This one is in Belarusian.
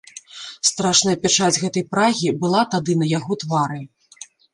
Страшная пячаць гэтай прагi была тады на яго твары.